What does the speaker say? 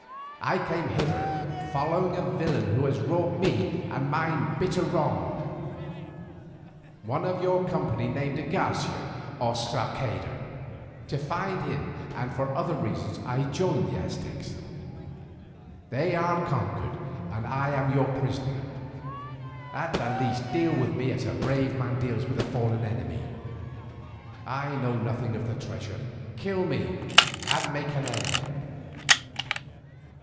I came hither following a villain who has wrought me and mine bitter wrong, one of your company named de Garcia or Sarceda. To find him and for other reasons I joined the Aztecs. They are conquered and I am your prisoner. At the least deal with me as a brave man deals with a fallen enemy. I know nothing of the treasure; kill me and make an end."